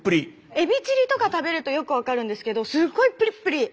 エビチリとか食べるとよく分かるんですけどすごいぷりっぷり。